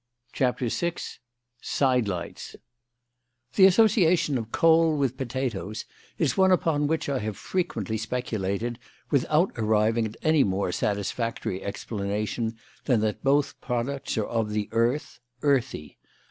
CHAPTER VI SIDELIGHTS The association of coal with potatoes is one upon which I have frequently speculated, without arriving at any more satisfactory explanation than that both products are of the earth, earthy.